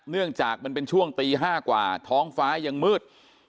เนื่องจากมันเป็นช่วงตี๕กว่าท้องฟ้ายังมืด